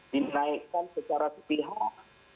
dinaikkan secara setihak